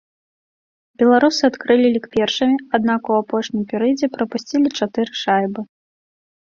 Беларусы адкрылі лік першымі, аднак у апошнім перыядзе прапусцілі чатыры шайбы.